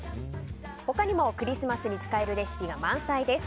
他にもクリスマスに使えるレシピが満載です。